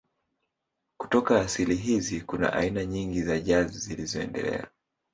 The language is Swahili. Kutoka asili hizi kuna aina nyingi za jazz zilizoendelea.